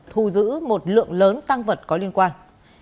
thu giữ một lượng lớn tăng vật có liên quan